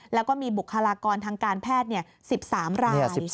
แล้วก็มีบุคลากรทางการแพทย์๑๓ราย